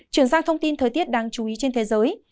trường sang thông tin thời tiết đang chú ý trên thế giới